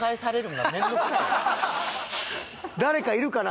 誰かいるかな？